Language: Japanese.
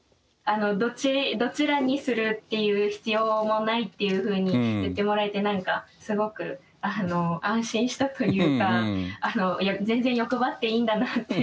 どちらにするっていう必要もないっていうふうに言ってもらえて何かすごく安心したというか全然欲張っていいんだなって思えました。